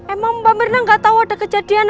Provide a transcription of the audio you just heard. emang mbak mirna gak tau ada kejadian